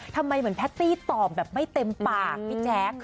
ทำไมแพทตี้ตอบแบบไม่เต็มปากพี่แจ๊ค